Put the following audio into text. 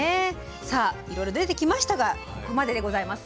さあいろいろ出てきましたがここまででございます。